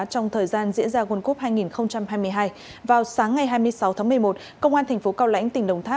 trong thời gian diễn ra world cup hai nghìn hai mươi hai vào sáng ngày hai mươi sáu tháng một mươi một công an thành phố cao lãnh tỉnh đồng tháp